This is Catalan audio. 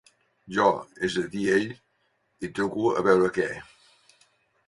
Jo, és a dir ell, hi truco a veure què.